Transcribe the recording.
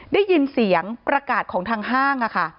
ได้ยินเสียงประกาศของทางห้าง